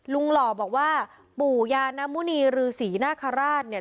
ลุงหล่อบอกว่าปุยานมุณีหรือศรีนคาราชน์เนี่ย